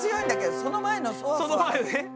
その前のね。